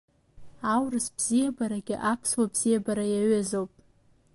Аурыс бзиабарагьы аԥсуа бзиабара иаҩызоуп.